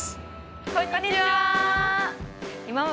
こんにちは！